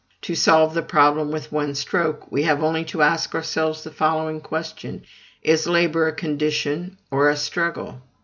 To solve the problem with one stroke, we have only to ask ourselves the following question: "Is labor a CONDITION or a STRUGGLE?"